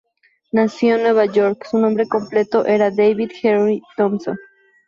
Nacido en Nueva York, su nombre completo era David Henry Thompson.